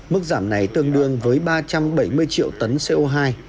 mức giảm này tương đương với ba trăm bảy mươi triệu tấn co hai